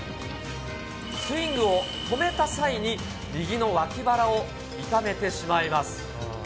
スイングを止めた際に、右の脇腹を痛めてしまいます。